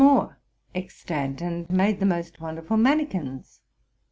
Hf more extant, and made the most wonderful manikins.